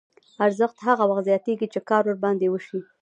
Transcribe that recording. ارزښت هغه وخت زیاتېږي چې کار ورباندې وشي